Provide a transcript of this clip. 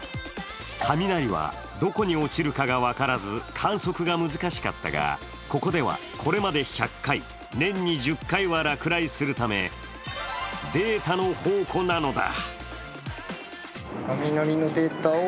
雷はどこに落ちるかが分からず、観測が難しかったがここではこれまで１００回、年に１０回は落雷するためデータの宝庫なのだ。